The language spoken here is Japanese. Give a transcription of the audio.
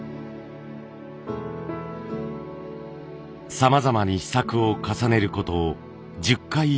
さまざまに試作を重ねること１０回以上。